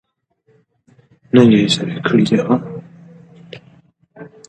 دوی به د پردیو ځواک مخه ونیسي.